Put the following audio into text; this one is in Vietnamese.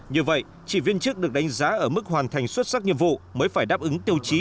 như vậy chỉ viên chức được đánh giá ở mức hoàn thành xuất sắc nhiệm vụ mới phải đáp ứng tiêu chí